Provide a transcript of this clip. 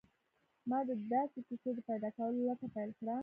ما د داسې کيسو د پيدا کولو لټه پيل کړه.